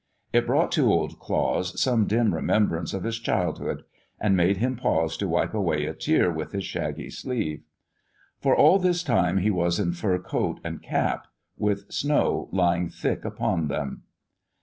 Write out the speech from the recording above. It brought to Old Claus some dim remembrance of his childhood, and made him pause to wipe away a tear with his shaggy sleeve. For all this time he was in fur coat and cap, with snow lying thick upon them.